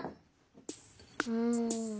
うん。